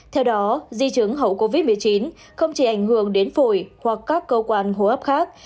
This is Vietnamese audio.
theo đó di chứng hậu covid một mươi chín không chỉ ảnh hưởng đến phổi hoặc các cơ quan hô hấp khác